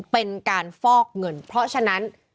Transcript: เป็นการฟอกเงินเพราะฉะนั้น